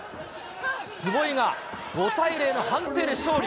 坪井が５対０の判定で勝利。